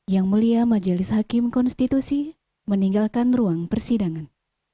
yang mulia majelis hakim konstitusi meninggalkan ruang persidangan